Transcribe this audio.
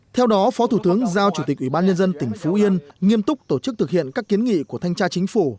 theo đó phó thủ tướng giao chủ tịch ủy ban nhân dân tỉnh phú yên nghiêm túc tổ chức thực hiện các kiến nghị của thanh tra chính phủ